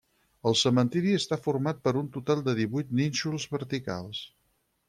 El cementiri està format per un total de divuit nínxols verticals.